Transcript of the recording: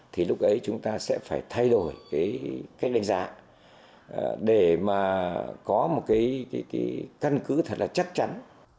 thì lúc ấy chúng ta sẽ phải thay đổi cái cách đánh giá để mà có một cái căn cứ thật là chắc chắn